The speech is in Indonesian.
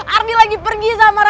ardi lagi pergi sama radi